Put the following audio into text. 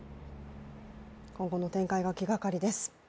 今後の展開が気がかりです。